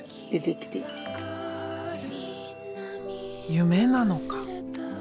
夢なのか？